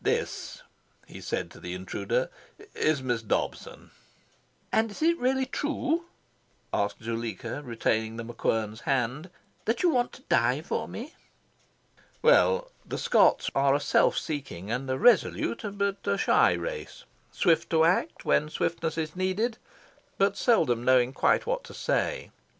"This," he said to the intruder, "is Miss Dobson." "And is it really true," asked Zuleika, retaining The MacQuern's hand, "that you want to die for me?" Well, the Scots are a self seeking and a resolute, but a shy, race; swift to act, when swiftness is needed, but seldom knowing quite what to say.